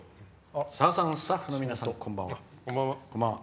「さださん、スタッフの皆さんこんばんは。